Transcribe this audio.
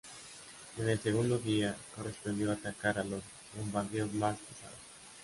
En el segundo día, correspondió atacar a los bombarderos más pesados.